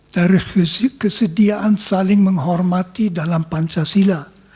dari fisik kesediaan saling menghormati dalam pancasila